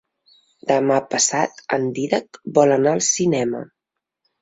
Demà passat en Dídac vol anar al cinema.